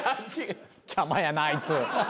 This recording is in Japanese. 邪魔やなあいつ。